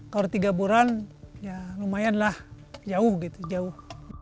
kalau tiga buran ya lumayanlah jauh gitu jauh